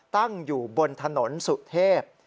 ตั้งอยู่บนถนนสุเทพ